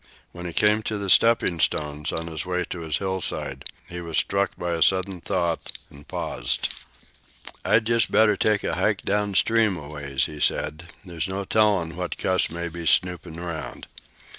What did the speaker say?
When he came to the stepping stones on his way to his hillside, he was struck by a sudden thought, and paused. "I'd just better take a hike down stream a ways," he said. "There's no tellin' who may be snoopin' around."